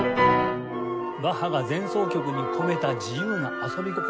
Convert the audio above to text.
バッハが前奏曲に込めた自由な遊び心